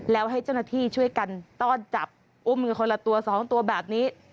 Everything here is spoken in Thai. แล้วให้เจ้าหน้าที่ช่วยกันต้อนจับอุ้มกันคนละตัว๒ตัวแบบนี้